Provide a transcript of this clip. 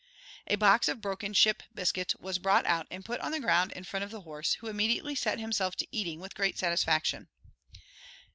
A box of broken ship biscuit was brought out and put on the ground in front of the horse, who immediately set himself to eating with great satisfaction.